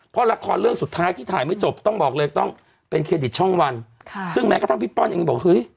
เพราะละครเรื่องสุดท้ายที่ถ่ายไม่จบต้องบอกเลยต้องเป็นเครดิตช่องวันค่ะซึ่งแม้กระทั่งพี่ป้อนเองบอกเฮ้ย